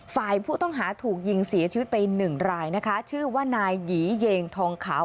ฝ่ายผู้ต้องหาถูกยิงเสียชีวิตไปหนึ่งรายนะคะชื่อว่านายหยีเยงทองขาว